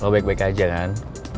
lo baik baik aja non